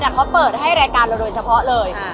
แต่เขาเปิดให้รายการเราโดยเฉพาะเลย